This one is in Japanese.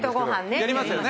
やりますよね